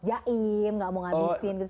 jaim gak mau ngabisin gitu